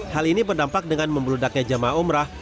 hal ini berdampak dengan membeludaknya jemaah umrah